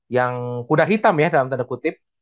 yang kuda hitam ya dalam tanda kutip